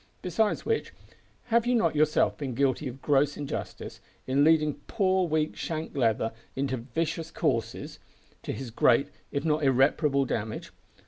Besides which, have you not yourself been guilty of gross injustice in leading poor weak Shank Leather into vicious courses to his great, if not irreparable, damage?